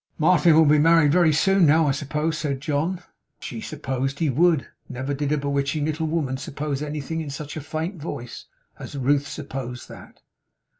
'Martin will be married very soon now, I suppose?' said John. She supposed he would. Never did a bewitching little woman suppose anything in such a faint voice as Ruth supposed that.